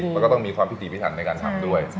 มันก็ต้องมีความพิธีพิถันในการทำด้วย